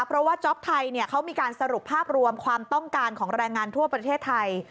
เพราะว่าจ๊อปไทยเขามีการสรุปภาพรวมความต้องการของแรงงานทั่วประเทศไทย